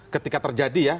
ketika terjadi ya